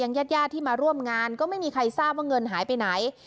ญาติญาติที่มาร่วมงานก็ไม่มีใครทราบว่าเงินหายไปไหน